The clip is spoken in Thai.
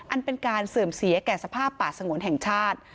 อันเป็นการเสื่อมเสียแก่สภาพป่าสงวนแห่งชาติ